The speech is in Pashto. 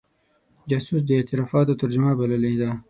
جاسوس د اعترافاتو ترجمه بللې ده.